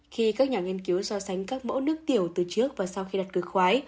khi các nhà nghiên cứu so sánh các mẫu nước tiểu từ trước và sau khi đặt cửa khoái